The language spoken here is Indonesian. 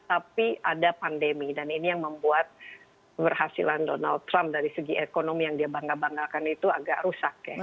tapi ada pandemi dan ini yang membuat keberhasilan donald trump dari segi ekonomi yang dia bangga banggakan itu agak rusak ya